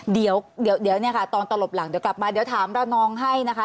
เดี๋ยวตอนตลบหลังกลับมาเดี๋ยวถามละนองให้นะคะ